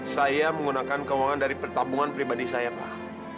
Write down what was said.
saya menggunakan keuangan dari pertabungan pribadi saya pak